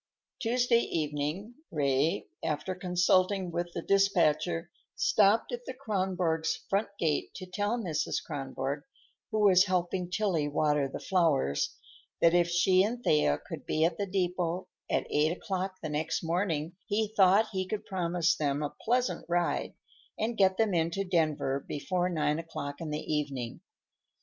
Tuesday evening Ray, after consulting with the dispatcher, stopped at the Kronborgs' front gate to tell Mrs. Kronborg—who was helping Tillie water the flowers—that if she and Thea could be at the depot at eight o'clock the next morning, he thought he could promise them a pleasant ride and get them into Denver before nine o'clock in the evening.